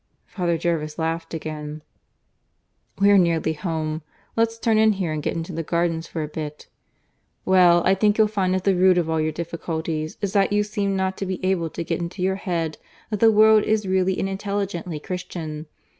Father Jervis laughed again. "We're nearly home. Let's turn in here, and get into the gardens for a bit. ... Well, I think you'll find that the root of all your difficulties is that you seem not to be able to get into your head that the world is really and intelligently Christian.